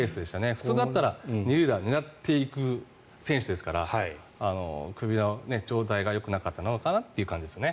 普通だったら２塁打を狙っていく選手ですから首の状態がよくなかったのかなという感じですね。